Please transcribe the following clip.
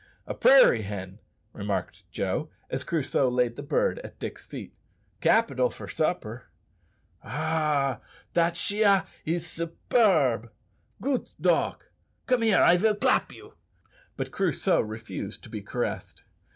"A prairie hen," remarked Joe, as Crusoe laid the bird at Dick's feet; "capital for supper." "Ah! dat chien is superb! goot dog. Come here, I vill clap you." But Crusoe refused to be caressed.